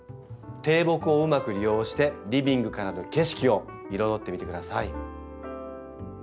低木をうまく利用してリビングからの景色を彩ってみてください。